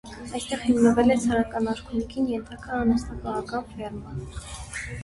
Այստեղ հիմնվել է ցարական արքունիքին ենթակա անասնապահական ֆերմա։